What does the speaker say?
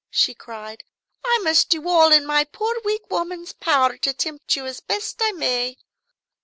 she cried. "I must do all in my poor weak woman's power to tempt you as best I may.